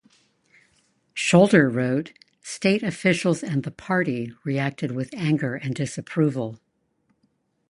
Scholder wrote: state officials and the Party reacted with anger and disapproval.